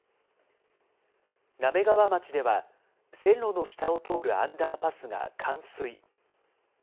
滑川町では線路の下を通るアンダーパスが冠水。